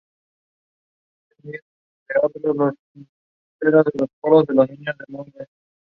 Maybe this reflects the view of the author.